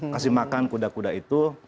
kasih makan kuda kuda itu